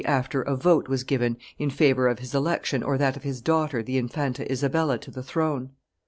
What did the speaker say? after a vote was given in favor of his election or that of his daughter the Infanta Isabella to the throne.